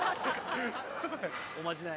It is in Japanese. おまじない。